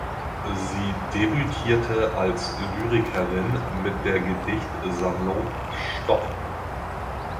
Sie debütierte als Lyrikerin mit der Gedichtsammlung "Stop".